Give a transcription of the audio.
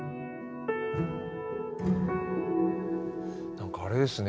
何かあれですね。